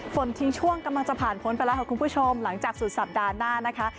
ทิ้งช่วงกำลังจะผ่านพ้นไปแล้วค่ะคุณผู้ชมหลังจากสุดสัปดาห์หน้านะคะ